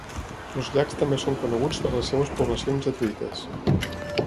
Els llacs també són coneguts per les seves poblacions de truites.